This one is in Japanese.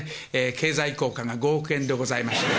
経済効果が５億円でございまして。